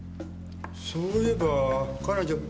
そういえば彼女。